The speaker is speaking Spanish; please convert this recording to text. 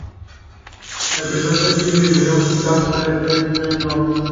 El primer sencillo y video musical fue "Feels Like Love".